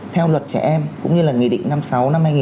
theo luật trẻ em cũng như là nghị định năm sáu năm hai nghìn một mươi